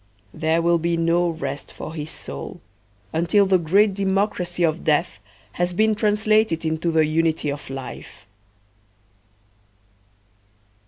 There will be no rest for his soul until the great democracy of death has been translated into the unity of life.